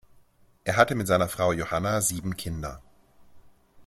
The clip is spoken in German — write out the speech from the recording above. Er hatte mit seiner Frau Johanna sieben Kinder.